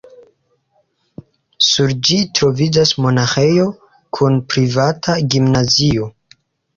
Sur ĝi troviĝas monaĥejo kun privata gimnazio.